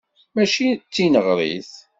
Mačči d tineɣrit.